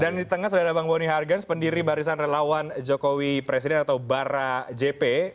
dan di tengah sudah ada bang boni hargens pendiri barisan relawan jokowi presiden atau bara jp